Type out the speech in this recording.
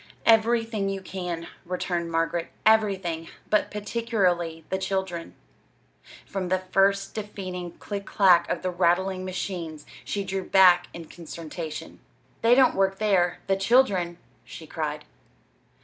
"Everything you can," returned Margaret; "everything! But particularly the children." From the first deafening click clack of the rattling machines she drew back in consternation. "They don't work there the children!" she cried.